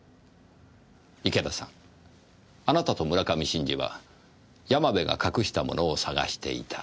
池田さんあなたと村上真治は山部が隠したものを捜していた。